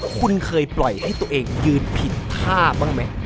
คุณเคยปล่อยให้ตัวเองยืนผิดท่าบ้างไหม